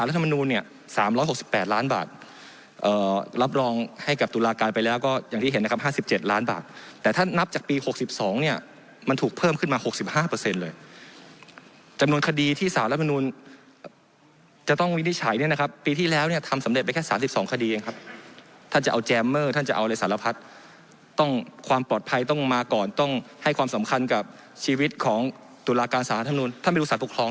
รัฐมนูลเนี่ย๓๖๘ล้านบาทรับรองให้กับตุลาการไปแล้วก็อย่างที่เห็นนะครับ๕๗ล้านบาทแต่ถ้านับจากปี๖๒เนี่ยมันถูกเพิ่มขึ้นมา๖๕เลยจำนวนคดีที่สารรัฐมนูลจะต้องวินิจฉัยเนี่ยนะครับปีที่แล้วเนี่ยทำสำเร็จไปแค่๓๒คดีเองครับท่านจะเอาแจมเมอร์ท่านจะเอาอะไรสารพัดต้องความปลอดภัยต้องมาก่อนต้องให้ความสำคัญกับชีวิตของตุลาการสารธรรมนูลท่านไม่รู้สารปกครอง